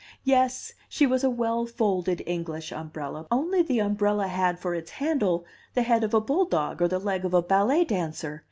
Yes, she was a well folded English umbrella, only the umbrella had for its handle the head of a bulldog or the leg of a ballet dancer.